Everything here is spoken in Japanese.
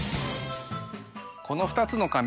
この２つの髪